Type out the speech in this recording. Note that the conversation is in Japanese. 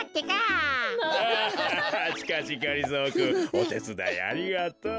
おてつだいありがとう。